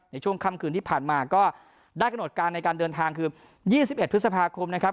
ในช่วงค่ำคืนที่ผ่านมาก็ได้กำหนดการในการเดินทางคือ๒๑พฤษภาคมนะครับ